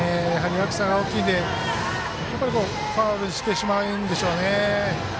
落差が大きいのでファウルしてしまうんでしょうね。